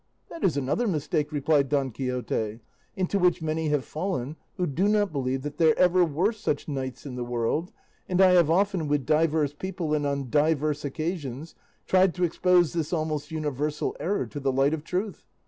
"That is another mistake," replied Don Quixote, "into which many have fallen who do not believe that there ever were such knights in the world, and I have often, with divers people and on divers occasions, tried to expose this almost universal error to the light of truth.